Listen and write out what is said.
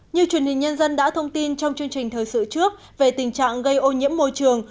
như truyền hình nhân dân đã thông tin trong chương trình thời sự trước về tình trạng gây ô nhiễm môi trường